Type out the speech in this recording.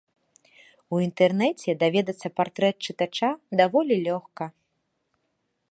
У інтэрнэце даведацца партрэт чытача даволі лёгка.